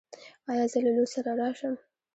ایا زه له لور سره راشم؟